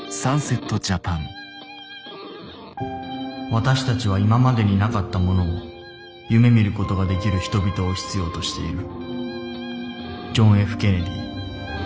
私たちは今までになかったものを夢見ることができる人々を必要としている。